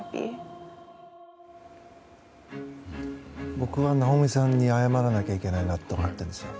僕はなおみさんに謝らなきゃいけないなと思っているんですよ。